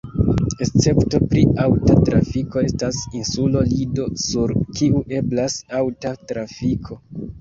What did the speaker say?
Escepto pri aŭta trafiko estas insulo Lido, sur kiu eblas aŭta trafiko.